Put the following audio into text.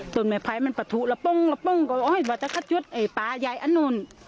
ต้อนไฟมันประถูกละปุ่งก็ว่าวัตถ์ท่องตรงนี้ไอ้ป๊ายายั่นูน